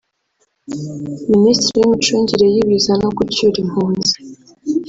Minisitiri w’imicungire y’ibiza no gucyura impunzi